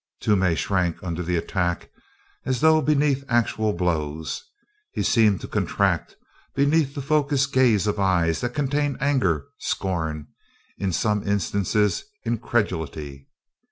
Toomey shrank under the attack as though beneath actual blows; he seemed to contract beneath the focused gaze of eyes that contained anger, scorn, in some instances, incredulity.